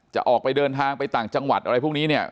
จะออกไปเดินทางไปต่างจังหวัดอะไรพวกนี้เนี่ย